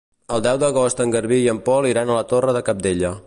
El deu d'agost en Garbí i en Pol iran a la Torre de Cabdella.